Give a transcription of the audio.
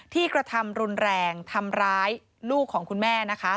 กระทำรุนแรงทำร้ายลูกของคุณแม่นะคะ